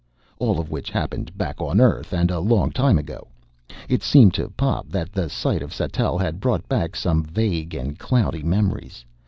All of which happened back on Earth and a long time ago. It seemed to Pop that the sight of Sattell had brought back some vague and cloudy memories.